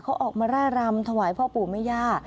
เขาออกมาร่ายรำถวายพ่อปู่แม่ย่า